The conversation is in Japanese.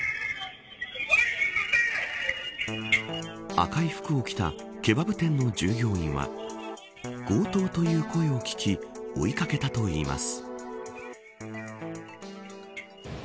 赤い服を着たケバブ店の従業員は強盗という声を聞き追い掛けたといいます。